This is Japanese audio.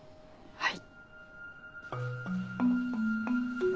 はい。